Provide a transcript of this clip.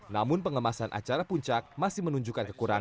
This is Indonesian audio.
namun pengemasan acara puncak masih menunjukkan kekurangan